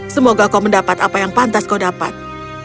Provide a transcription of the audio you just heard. semoga kau mendapat apa yang pantas kau dapat